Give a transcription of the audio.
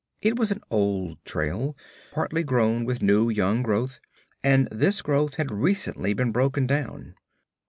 It was an old trail, partly grown with new young growth, and this growth had recently been broken down.